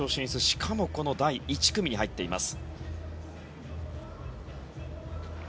しかもこの第１組に入っています。